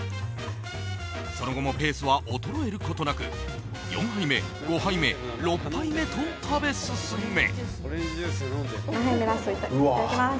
その後もペースは衰えることなく４杯目、５杯目６杯目と食べ進め。